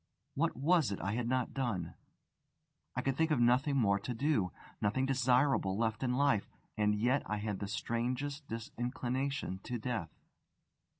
What was it I had not done? I could think of nothing more to do, nothing desirable left in life; and yet I had the strangest disinclination to death.